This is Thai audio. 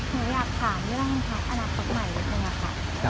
ผมอยากถามเรื่องปันอนาคตใหม่พูดดูนี่ค่ะ